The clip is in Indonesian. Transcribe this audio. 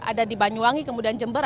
ada di banyuwangi kemudian jember